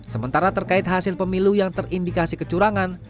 sementara terkait hasil pemilu yang terindikasi kecurangan